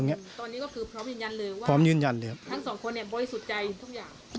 ตอนนี้ก็คือพร้อมยืนยันเลยว่าทั้งสองคนบ่อยสุดใจทุกอย่าง